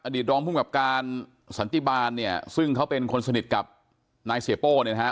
รองภูมิกับการสันติบาลเนี่ยซึ่งเขาเป็นคนสนิทกับนายเสียโป้เนี่ยนะฮะ